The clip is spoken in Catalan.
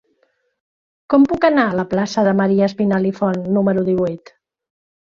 Com puc anar a la plaça de Maria Espinalt i Font número divuit?